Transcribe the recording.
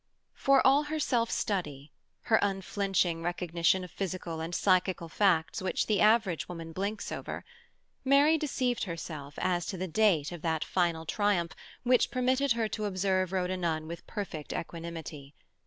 For all her self study, her unflinching recognition of physical and psychical facts which the average woman blinks over, Mary deceived herself as to the date of that final triumph which permitted her to observe Rhoda Nunn with perfect equanimity.